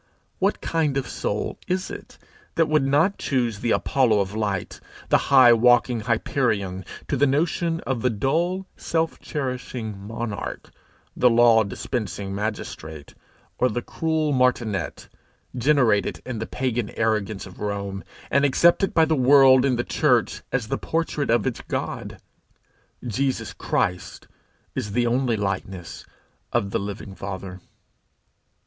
What kind of soul is it that would not choose the Apollo of light, the high walking Hyperion, to the notion of the dull, self cherishing monarch, the law dispensing magistrate, or the cruel martinet, generated in the pagan arrogance of Rome, and accepted by the world in the church as the portrait of its God! Jesus Christ is the only likeness of the living Father.